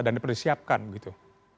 dan diperi siapkan gitu